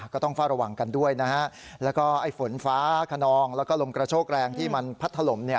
ก็ต้องเฝ้าระวังกันด้วยนะฮะแล้วก็ไอ้ฝนฟ้าขนองแล้วก็ลมกระโชกแรงที่มันพัดถล่ม